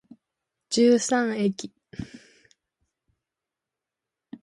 十三駅